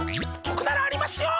とくならありますよ！